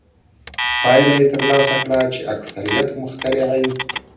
پایله یې ترلاسه کړه چې اکثریت مخترعین.